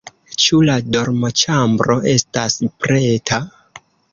Ĉu la dormoĉambro estas preta?